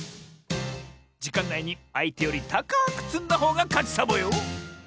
じかんないにあいてよりたかくつんだほうがかちサボよ！